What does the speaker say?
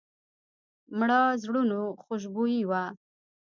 مړه د زړونو خوشبويي وه